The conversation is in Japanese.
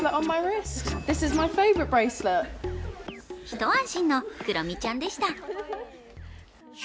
一安心のクロミちゃんでした。